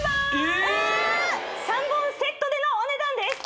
３本セットでのお値段です